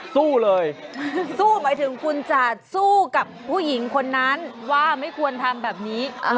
สู้เลยสู้หมายถึงคุณจะสู้กับผู้หญิงคนนั้นว่าไม่ควรทำแบบนี้